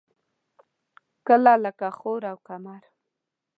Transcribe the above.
کله لکه خوړ او کمر.